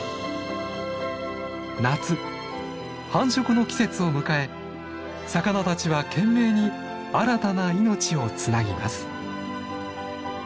夏繁殖の季節を迎え魚たちは懸命に新たな命をつなぎます。